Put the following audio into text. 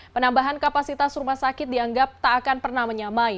penambahan kapasitas rumah sakit dianggap tak akan pernah menyamai